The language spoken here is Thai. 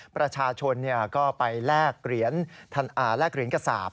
ประชาชนก็ไปแลกเหรียญกษาป